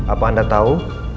apa anda tahu